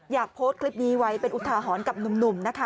โพสต์คลิปนี้ไว้เป็นอุทาหรณ์กับหนุ่มนะคะ